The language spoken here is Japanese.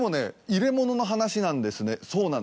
「入れ物の話なんですね」。